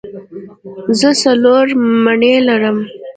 زه څلور مڼې لرم.